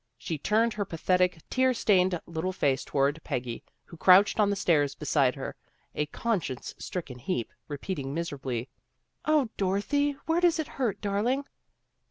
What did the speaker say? She turned her pathetic, tear stained little face toward Peggy, who crouched on the stairs beside her, a conscience stricken heap, repeating miserably, "0, Doro thy, where does it hurt, darling?